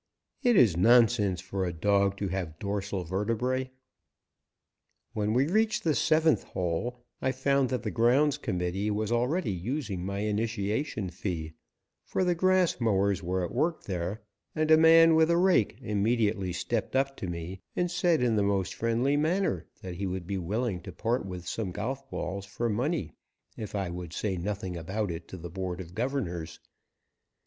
It is nonsense for a dog to have dorsal vertebrae. When we reached the seventh hole I found that the grounds committee was already using my initiation fee, for the grass mowers were at work there, and a man with a rake immediately stepped up to me, and said in the most friendly manner that he would be willing to part with some golf balls for money, if I would say nothing about it to the Board of Governors.